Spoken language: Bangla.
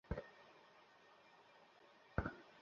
তাদের পিছু এখানে এসেছি আমি।